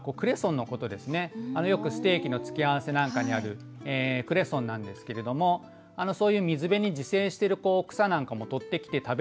よくステーキの付け合わせなんかにあるクレソンなんですけれどもそういう水辺に自生してる草なんかも採ってきて食べるようなね